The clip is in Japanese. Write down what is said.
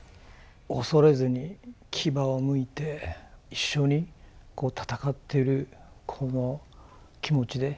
恐れずに牙をむいて一緒に戦ってるこの気持ちで。